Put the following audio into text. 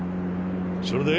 それで？